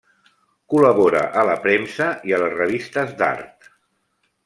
Col·labora a la premsa i a les revistes d'art.